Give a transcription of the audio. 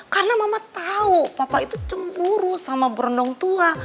karena mama tahu papa itu cemburu sama berendung tua